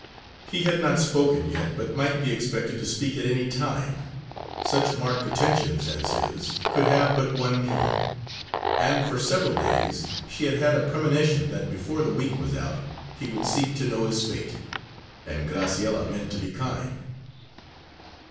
He had not spoken yet, but might be expected to speak at any time; such marked attentions as his could have but one meaning; and for several days she had had a premonition that before the week was out he would seek to know his fate; and Graciella meant to be kind.